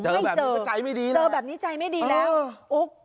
เจอแบบนี้ก็ใจไม่ดีแล้วเจอแบบนี้ใจไม่ดีแล้วโอ๊ะ